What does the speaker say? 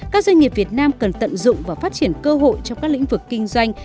các doanh nghiệp việt nam cần tận dụng và phát triển cơ hội trong các lĩnh vực kinh doanh